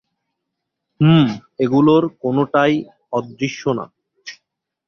হুম, এগুলোর কোনোটাই অদৃশ্য না।